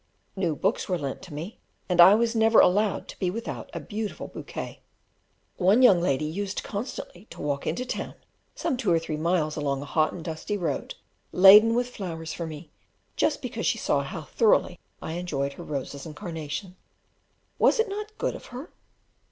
New books were lent to me, and I was never allowed to be without a beautiful bouquet. One young lady used constantly to walk in to town, some two or three miles along a hot and dusty road, laden with flowers for me, just because she saw how thoroughly I enjoyed her roses and carnations. Was it not good of her?